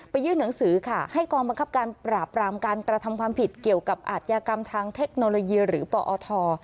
ยื่นหนังสือค่ะให้กองบังคับการปราบรามการกระทำความผิดเกี่ยวกับอาทยากรรมทางเทคโนโลยีหรือปอท